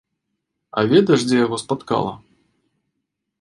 Я ведаеш дзе яго спаткала?